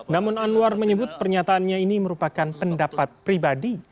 namun anwar menyebut pernyataannya ini merupakan pendapat pribadi